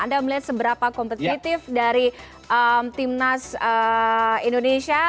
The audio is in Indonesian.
anda melihat seberapa kompetitif dari timnas indonesia